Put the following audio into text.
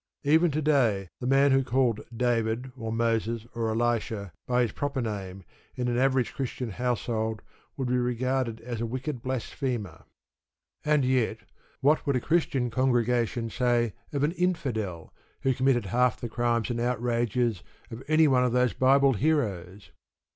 Even to day the man who called David, or Moses, or Elisha by his proper name in an average Christian household would be regarded as a wicked blasphemer. And yet, what would a Christian congregation say of an "Infidel" who committed half the crimes and outrages of any one of those Bible heroes?